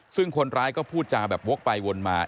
ซึ่งคนร้ายก็พูดจาแบบวกไปวนมา